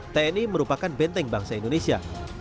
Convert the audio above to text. tni merupakan benteng bangsa indonesia